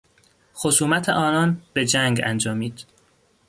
خصومت آنان به جنگ انجامید.